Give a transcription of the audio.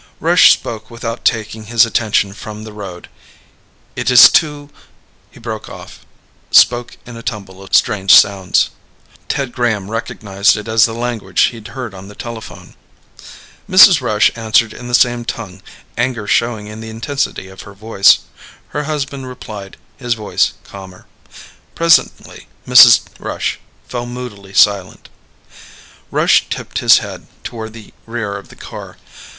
Rush spoke without taking his attention from the road. "It is too ..." He broke off, spoke in a tumble of strange sounds. Ted Graham recognized it as the language he'd heard on the telephone. Mrs. Rush answered in the same tongue, anger showing in the intensity of her voice. Her husband replied, his voice calmer. Presently, Mrs. Rush fell moodily silent. Rush tipped his head toward the rear of the car.